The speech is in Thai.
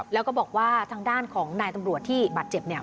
แล้วก็บอกว่าทางด้านของนายตำรวจที่บาดเจ็บเนี่ย